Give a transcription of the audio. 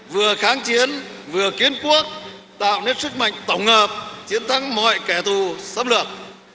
vừa kháng chiến vừa kiến quốc tạo nét sức mạnh tổng hợp chiến thắng mọi kẻ thù xâm lược